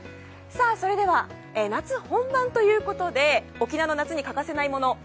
それでは、夏本番ということで沖縄の夏に欠かせないもの。